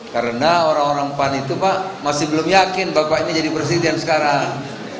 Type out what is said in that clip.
karena orang orang pan itu pak masih belum yakin bapak ini jadi presiden sekarang